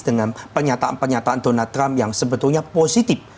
dengan pernyataan pernyataan donald trump yang sebetulnya positif